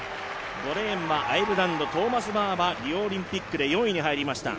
５レーンはアイルランドトーマス・バーリオオリンピックで４位に入りました。